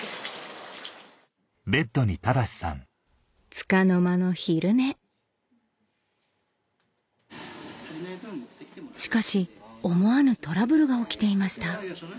つかの間の昼寝しかし思わぬトラブルが起きていました